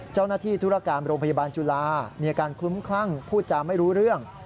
ธุรการโรงพยาบาลจุฬามีอาการคลุ้มคลั่งพูดจาไม่รู้เรื่อง